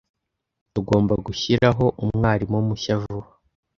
Tugomba gushyiraho umwarimu mushya vuba.